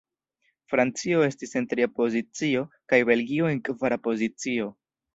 Francio estis en tria pozicio, kaj Belgio en kvara pozicio.